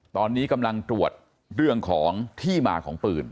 ตอนนี้กำลังตรวจเรื่องของที่มาของปืน